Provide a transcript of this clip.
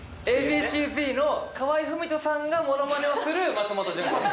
Ａ．Ｂ．ＣーＺの河合郁人さんがものまねをする松本潤さん。